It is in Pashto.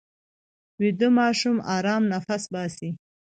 ویده ماشوم ارام نفس باسي